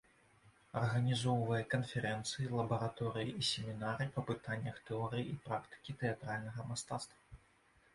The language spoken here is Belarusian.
Арганізоўвае канферэнцыі, лабараторыі і семінары па пытаннях тэорыі і практыкі тэатральнага мастацтва.